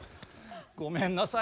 ごめんなさい